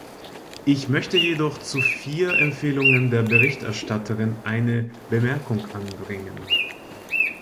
Ich möchte jedoch zu vier Empfehlungen der Berichterstatterin eine Bemerkung anbringen.